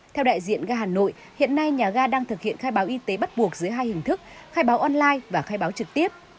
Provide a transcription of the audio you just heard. theo đại diện ga hà nội hiện nay nhà ga đang thực hiện khai báo y tế bắt buộc dưới hai hình thức khai báo online và khai báo trực tiếp